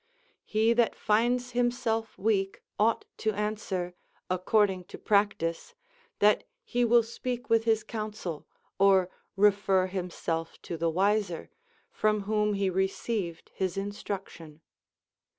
He that finds himself weak ought to answer, according to practice, that he will speak with his counsel, or refer himself to the wiser, from whom he received his instruction.